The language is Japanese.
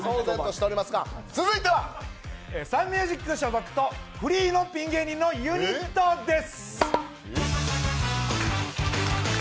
続いてはサンミュージック所属とフリーのピン芸人のユニットです。